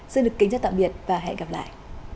xin được kính chào tạm biệt và hẹn gặp lại